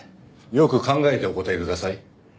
よく考えてお答えください。